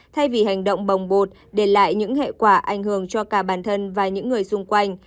thay vì hành động bồng bột để lại những hệ quả ảnh hưởng cho cả bản thân và những người xung quanh